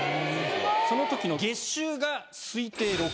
そのときの月収が推定。